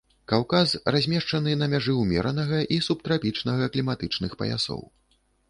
Каўказ размешчаны на мяжы ўмеранага і субтрапічнага кліматычных паясоў.